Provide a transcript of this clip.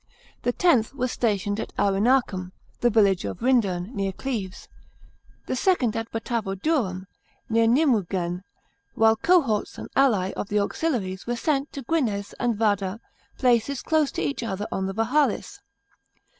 The Xth was stationed at Arenacum (the village of Ryndern, near Cleves), the Hud at Batavodurum (near Nymwegen), while cohorts and alee of the auxiliaries were sent to Grinnes and Vada, places close to each other on the Vahalis.